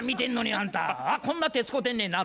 「あっこんな手使うてんねんな」。